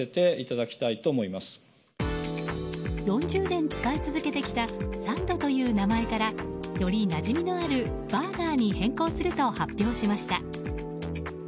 ４０年使い続けてきたサンドという名前からよりなじみのあるバーガーに変更すると発表しました。